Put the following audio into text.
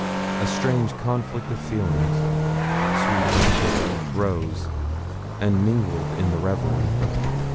A strange conflict of feelings, sweet and bitter, rose and mingled in the reverie.